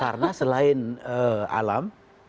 karena selain alam